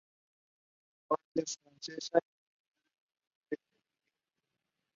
Tiritiri Matangi Island is near the end of this peninsula.